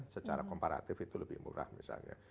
secara komparatif itu lebih murah misalnya